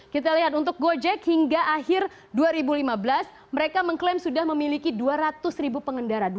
kita lihat untuk gojek hingga akhir dua ribu lima belas mereka mengklaim sudah memiliki dua ratus ribu pengendara